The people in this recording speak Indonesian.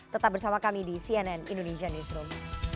tetap bersama kami di cnn indonesia newsroom